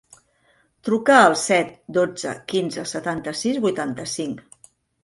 Truca al set, dotze, quinze, setanta-sis, vuitanta-cinc.